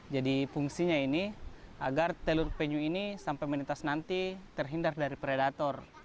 fungsinya ini agar telur penyu ini sampai melintas nanti terhindar dari predator